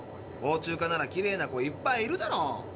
航宙課ならきれいな子いっぱいいるだろ。